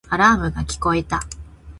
アラームが聞こえた